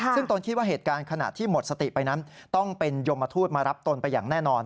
ซึ่งตนคิดว่าเหตุการณ์ขณะที่หมดสติไปนั้นต้องเป็นยมทูตมารับตนไปอย่างแน่นอน